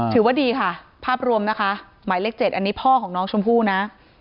ถือว่าดีค่ะภาพรวมนะคะหมายเลข๗อันนี้พ่อของน้องชมพู่นะ